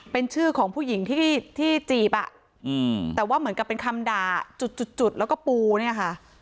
เป็นชื่อของผู้หญิงที่จีบอ่ะแต่ว่าเหมือนกับเป็นคำด่าจุดจุดแล้วก็ปูเนี่ยค่ะ